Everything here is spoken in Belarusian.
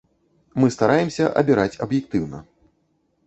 Мы стараемся абіраць аб'ектыўна.